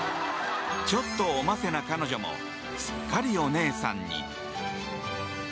ちょっとおませな彼女もすっかりお姉さんに。